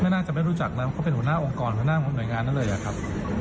น่าจะไม่รู้จักแล้วเพราะเป็นหัวหน้าองค์กรหัวหน้าหน่วยงานนั้นเลยอะครับ